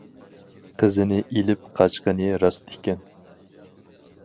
- قىزنى ئېلىپ قاچقىنى راست ئىكەن.